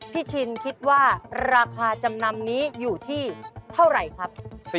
ชินคิดว่าราคาจำนำนี้อยู่ที่เท่าไหร่ครับ